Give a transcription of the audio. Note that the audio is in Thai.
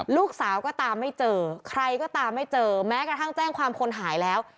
ลูกสาวก็ตามไม่เจอใครก็ตามไม่เจอแม้กระทั่งแจ้งความคนหายแล้ว